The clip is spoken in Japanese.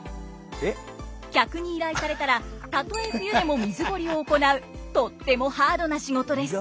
客に依頼されたらたとえ冬でも水垢離を行うとってもハードな仕事です。